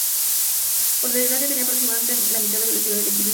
Por desgracia, tenía aproximadamente la mitad de velocidad del equipo anterior.